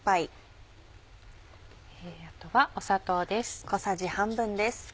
あとは砂糖です。